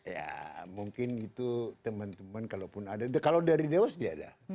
ya mungkin itu teman teman kalaupun ada kalau dari dewas tidak ada